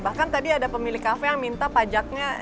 bahkan tadi ada pemilik kafe yang minta pajaknya